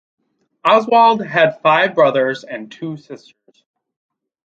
Oswald had five brothers and two sisters.